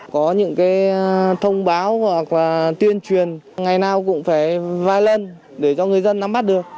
có những cái thông báo hoặc là tuyên truyền ngày nào cũng phải vài lần để cho người dân nắm mắt được